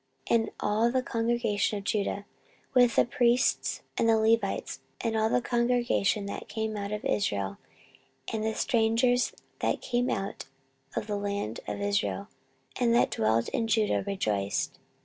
14:030:025 And all the congregation of Judah, with the priests and the Levites, and all the congregation that came out of Israel, and the strangers that came out of the land of Israel, and that dwelt in Judah, rejoiced.